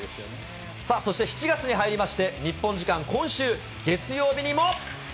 そして７月に入りまして、日本時間今週月曜日にも。